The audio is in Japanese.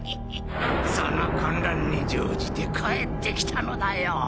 その混乱に乗じて帰ってきたのだよ。